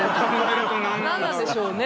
何なんでしょうね